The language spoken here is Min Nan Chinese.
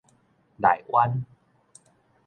內灣